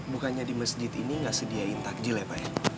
bukannya di masjid ini nggak sediain takjil ya pak ya